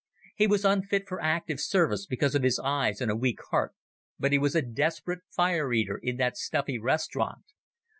He was unfit for active service, because of his eyes and a weak heart, but he was a desperate fire eater in that stuffy restaurant.